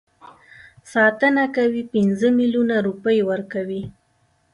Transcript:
ساتنه کوي پنځه میلیونه روپۍ ورکوي.